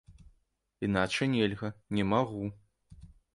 Іначай нельга, не магу.